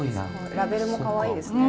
ラベルもかわいいですね。